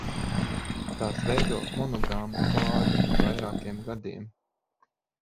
Tās veido monogāmus pārus uz vairākiem gadiem.